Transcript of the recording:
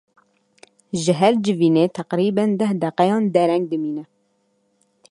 Ji her civînê teqrîben deh deqeyan dereng dimîne.